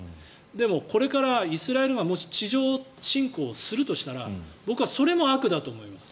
でも、これからイスラエルがもし地上侵攻するとしたら僕はそれも悪だと思います。